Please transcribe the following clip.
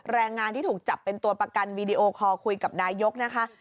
แรงงานที่ถูกจับเป็นตัวประกันวีดีโอคอลคุยกับนายกนะคะ